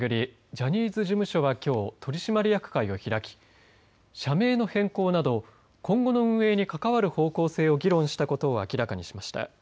ジャニーズ事務所はきょう取締役会を開き社名の変更など今後の運営に関わる方向性を議論したことを明らかにしました。